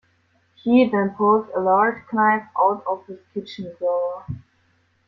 He then pulls a large knife out of his kitchen drawer.